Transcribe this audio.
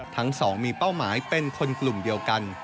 ทั้งสองมีเป้าหมายเป็นคนกลุ่มเดียวกัน